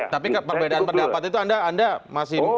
tapi perbedaan pendapat itu anda masih